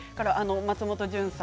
松本潤さん